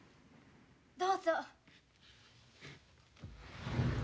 ・どうぞ。